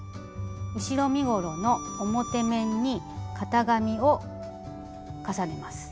後ろ身ごろの表面に型紙を重ねます。